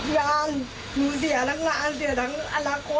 ยามหนูเสียทั้งงานเสียทั้งอนาคต